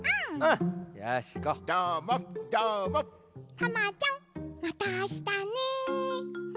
タマちゃんまたあしたね。